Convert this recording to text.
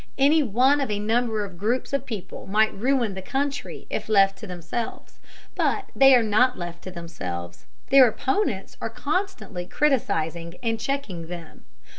Any one of a number of groups of people might ruin the country if left to themselves. But they are not left to themselves. Their opponents are constantly criticizing and checking them.